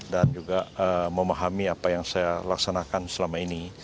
dan juga memahami apa yang saya laksanakan selama ini